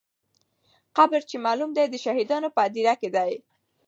قبر چې معلوم دی، د شهیدانو په هدیره کې دی.